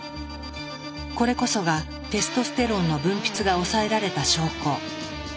これこそがテストステロンの分泌が抑えられた証拠。